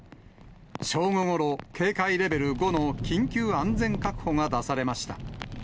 正午ごろ、警戒レベル５の緊急安全確保が出されました。